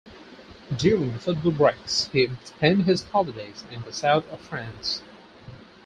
During the football breaks he would spend his holidays in the south of France.